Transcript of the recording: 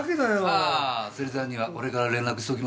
ああ芹沢には俺から連絡しときましたよ。